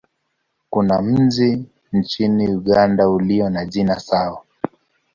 Kuna mji nchini Uganda ulio na jina sawa.